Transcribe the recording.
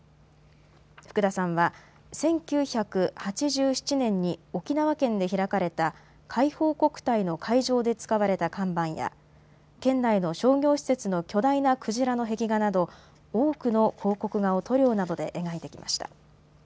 福田さんは１９８７年に沖縄県で開かれた海邦国体の会場で使われた看板や県内の商業施設の巨大な鯨の壁画など多くの広告画を塗料などで描いてきました。